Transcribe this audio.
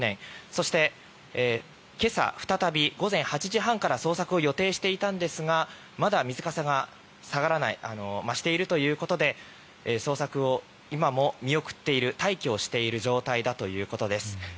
そして、今朝再び午前８時半から捜索を予定していたんですがまだ水かさが下がらない増しているということで捜索を今も見送っている待機している状態だということです。